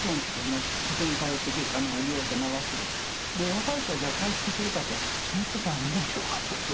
若い人はじゃあ回復するかっていったらもっと大変だと思った。